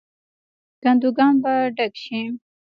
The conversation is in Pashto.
کندوګان به ډک شي.